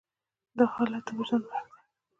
دا حالت د وجدان مرګ دی.